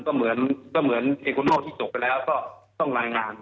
ซึ่งก็เหมือนที่จบไปแล้วก็ต้องรายงาน